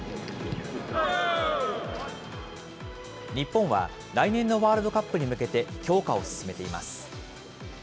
日本は来年のワールドカップに向けて、強化を進めています。